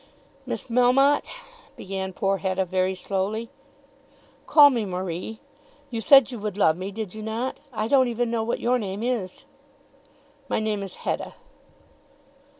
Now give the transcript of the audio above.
"Miss Melmotte " began poor Hetta very slowly. "Call me Marie. You said you would love me; did you not? I don't even know what your name is." "My name is Hetta."